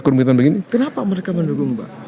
kenapa mereka mendukung pak